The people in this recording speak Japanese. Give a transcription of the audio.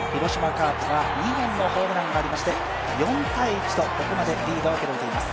カープは２本のホームランがありまして、４−１とここまでリードを広げています。